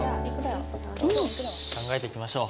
考えていきましょう。